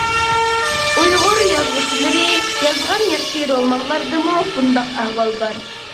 ئۇيغۇر يازغۇچىلىرى يازغان ياخشى رومانلاردىمۇ بۇنداق ئەھۋال بار.